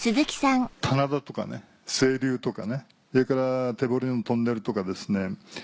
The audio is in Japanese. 棚田とか清流とかそれから手掘りのトンネルとかですね